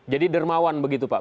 jadi dermawan begitu pak